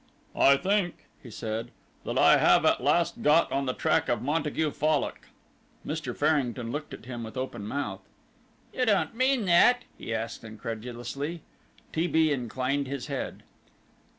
"I think," he said, "that I have at last got on the track of Montague Fallock." Mr. Farrington looked at him with open mouth. "You don't mean that?" he asked incredulously. T. B. inclined his head.